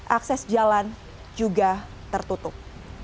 akses jalan juga tertutup